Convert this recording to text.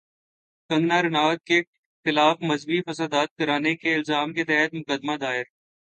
کنگنا رناوٹ کے خلاف مذہبی فسادات کرانے کے الزام کے تحت مقدمہ دائر